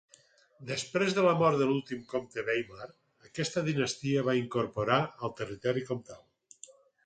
Després de la mort de l'últim comte Weimar aquesta dinastia va incorporar el territori comtal.